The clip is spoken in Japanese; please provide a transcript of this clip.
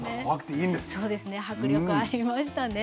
そうですね迫力ありましたね。